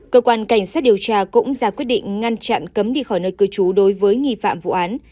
cơ quan cảnh sát điều tra cũng ra quyết định ngăn chặn cấm đi khỏi nơi cư trú đối với nghi phạm vụ án